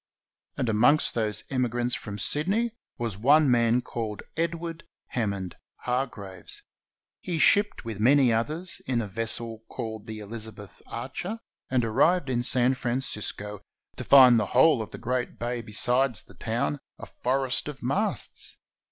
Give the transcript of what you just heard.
And amongst those emigrants from Sydney was one man called Edward Hammond Hargraves. He shipped with many others in a vessel called the Elizabeth Archer, 484 GOLD, GOLD, GOLD! and arrived in San Francisco to find the whole of the great bay beside the town a forest of masts.